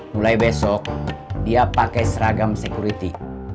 mulai besok dia pakai seragam security